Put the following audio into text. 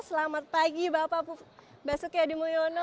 selamat pagi bapak basuki adimulyono